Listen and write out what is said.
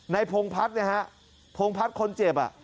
ในโพงพัสโพงพัสคนเจ็บ